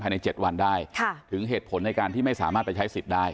ใน๗วันได้ถึงเหตุผลในการที่ไม่สามารถไปใช้สิทธิ์ได้